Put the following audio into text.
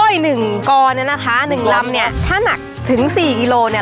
อีกหนึ่งกรเนี่ยนะคะหนึ่งลำเนี่ยถ้าหนักถึงสี่กิโลเนี่ย